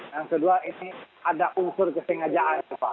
yang kedua ini ada unsur kesengajaan